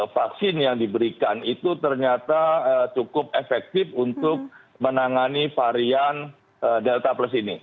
vaksin yang diberikan itu ternyata cukup efektif untuk menangani varian delta plus ini